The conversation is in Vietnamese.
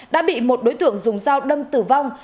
đã bị một đối tượng dùng dao đâm tử vong